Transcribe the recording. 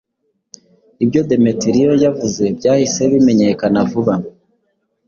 Ibyo Demetiriyo yavuze byahise bimenyekana vuba.